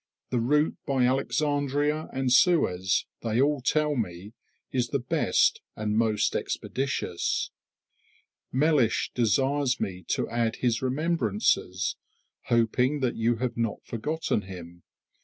The route by Alexandria and Suez, they all tell me, is the best and most expeditious. Mellish desires me to add his remembrances, hoping you have not forgotten him.